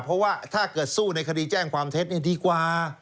เพราะว่าถ้าเกิดสู้ในคดีแจ้งความเท็จดีกว่า